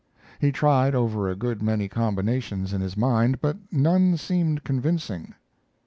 He tried over a good many combinations in his mind, but none seemed convincing.